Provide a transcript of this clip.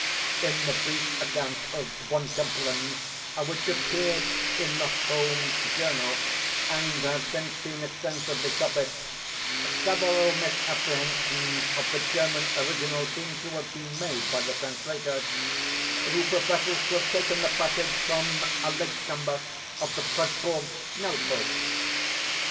In the brief account of Von Kempelen which appeared in the 'Home Journal,' and has since been extensively copied, several misapprehensions of the German original seem to have been made by the translator, who professes to have taken the passage from a late number of the Presburg 'Schnellpost.